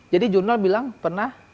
jadi jurnal bilang pernah